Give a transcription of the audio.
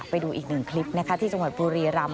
ไปดูอีกหนึ่งคลิปนะคะที่จังหวัดบุรีรำ